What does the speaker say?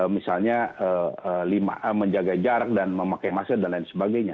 misalnya menjaga jarak dan memakai masker dan lain sebagainya